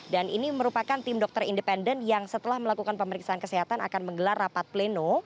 dan ini merupakan tim dokter independen yang setelah melakukan pemeriksaan kesehatan akan menggelar rapat pleno